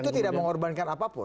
itu tidak mengorbankan apapun